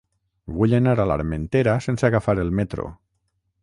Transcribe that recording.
Vull anar a l'Armentera sense agafar el metro.